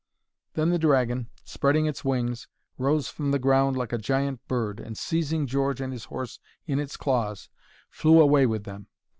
Then the dragon, spreading its wings, rose from the ground like a giant bird, and seizing George and his horse in its claws, flew away with them.